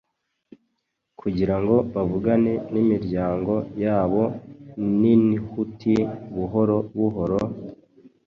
kugirango bavugane nimiryango yabo ninhuti Buhoro buhoro,